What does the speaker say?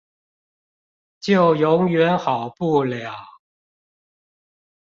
就永遠好不了